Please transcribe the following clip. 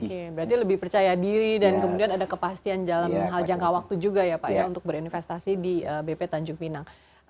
oke berarti lebih percaya diri dan kemudian ada kepastian dalam hal jangka waktu juga ya pak ya untuk berinvestasi di bp tanjung pinang